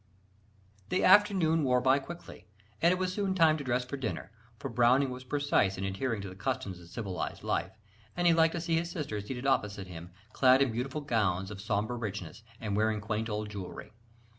_) The afternoon wore by quickly, and it was soon time to dress for dinner: for Browning was precise in adhering to the customs of civilised life: and he liked to see his sister seated opposite him, clad in beautiful gowns of sombre richness, and wearing quaint old jewelry.